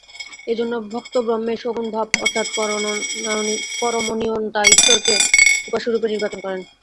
এইজন্য ভক্ত ব্রহ্মের সগুণ ভাব অর্থাৎ পরমনিয়ন্তা ঈশ্বরকে উপাস্যরূপে নির্বাচন করেন।